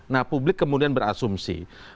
nah publik kemudian berasumsi